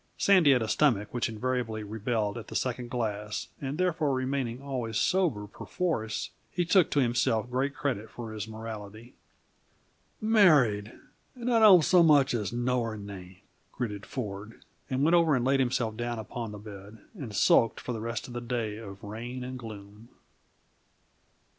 Sandy had a stomach which invariably rebelled at the second glass and therefore, remaining always sober perforce, he took to himself great credit for his morality. "Married! and I don't so much as know her name!" gritted Ford, and went over and laid himself down upon the bed, and sulked for the rest of that day of rain and gloom.